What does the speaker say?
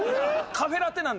カフェラテなんですよ。